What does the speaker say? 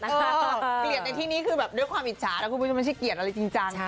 เปลี่ยนในที่นี้คือแบบด้วยความอิจฉานะคุณผู้ชมไม่ใช่เกลียดอะไรจริงจัง